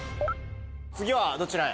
次はどちらへ？